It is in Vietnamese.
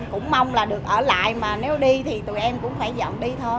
cũng mong là được ở lại mà nếu đi thì tụi em cũng phải dọn đi thôi